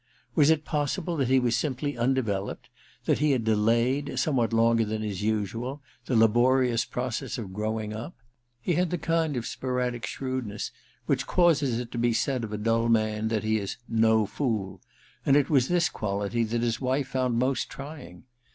Was it possible that he was simply undeveloped, that 2IO THE RECKONING ii he had delayed, somewhat longer than is usual, the laborious process of growing up ? He had the kind of sporadic shrewdness which causes it to be said of a dull man that he is * no fool *; and it was this quality that his wife found most trying.